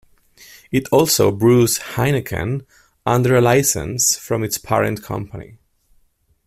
It also brews Heineken under a license from its parent company.